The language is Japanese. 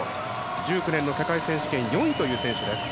１９年の世界選手権４位という選手です。